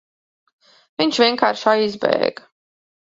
Viņš vienkārši aizbēga.